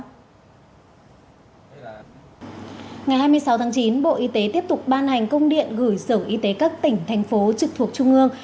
ngày hai mươi sáu tháng chín bộ y tế tiếp tục ban hành công điện gửi sở y tế các tỉnh thành phố trực thuộc trung ương